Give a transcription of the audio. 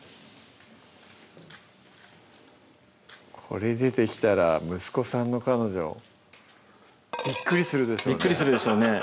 これ出てきたら息子さんの彼女びっくりするでしょうねびっくりするでしょうね